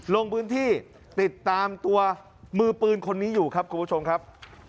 ลงพื้นที่ติดตามตัวมือปืนคนนี้อยู่ครับคุณผู้ชมครับ